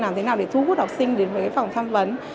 làm thế nào để thu hút học sinh đến với phòng tham vấn